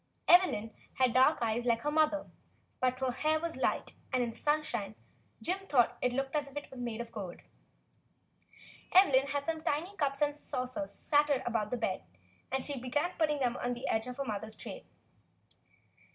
Evelyn had dark eyes like her mother, 4 THE BLUE AUNT but her hair was light, and in the sunshine Jim thought it looked as if it were made of gold. Evelyn had some tiny cups and saucers scattered about on the bed, and she began putting them on the edge of her mother's tray.